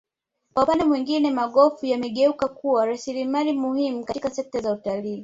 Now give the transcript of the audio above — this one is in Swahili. kwa upande mwingine magofu yamegeuka kuwa rasilimali muhimu katika sekta ya utalii